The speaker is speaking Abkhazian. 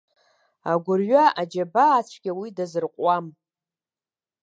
Агәырҩа, аџьабаацәгьа уи дазырҟәуам!